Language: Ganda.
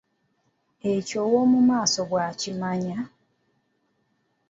Ekyo ow’omu maaso bw’akimanya.